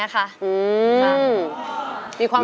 มีความไฝลุ